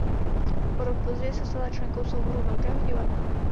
O rok později se stala členkou souboru Velkého divadla.